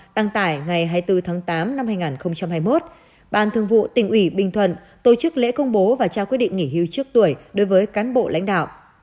đăng tải ngày hai mươi bốn tháng tám năm hai nghìn hai mươi một ban thường vụ tỉnh ủy bình thuận tổ chức lễ công bố và trao quyết định nghỉ hưu trước tuổi đối với cán bộ lãnh đạo